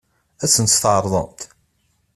Ad sen-tt-tɛeṛḍemt?